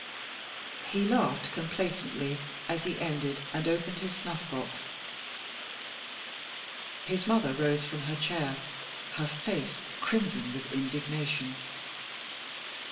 He laughed complacently as he ended, and opened his snuff box. His mother rose from her chair, her face crimson with indignation.